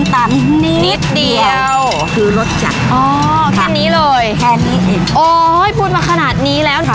ถือนิดนิด